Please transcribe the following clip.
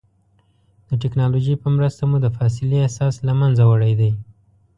د ټکنالوجۍ په مرسته مو د فاصلې احساس له منځه وړی دی.